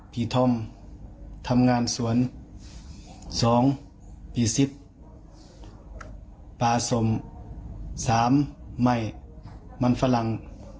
๑พี่ธ่อมทำงานสวน๒พี่ซิบปลาสม๓ไหม้มันฝรั่ง